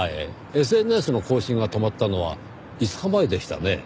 ＳＮＳの更新が止まったのは５日前でしたねぇ。